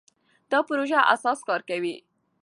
دا پروژه اوس کار کوي.